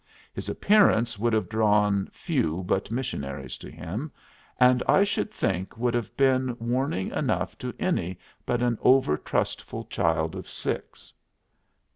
His appearance would have drawn few but missionaries to him, and I should think would have been warning enough to any but an over trustful child of six.